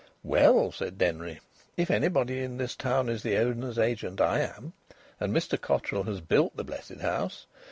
"Well," said Denry, "if anybody in this town is the owner's agent I am. And Mr Cotterill has built the blessed house.